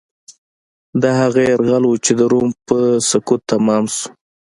دا هغه یرغل و چې د روم په سقوط تمام شو.